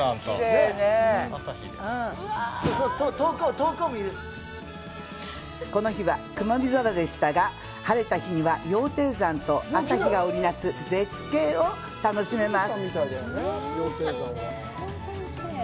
遠くを見るこの日は曇り空でしたが晴れた日には羊蹄山と朝日が織りなす絶景を楽しめます